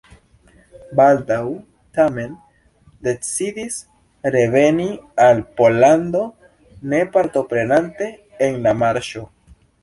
Baldaŭ tamen decidis reveni al Pollando ne partoprenante en la marŝo.